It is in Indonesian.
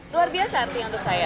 luar biasa artinya untuk saya